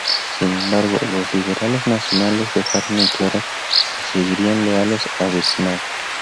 Sin embargo, los liberales nacionales dejaron en claro que seguirían leales a Bismarck.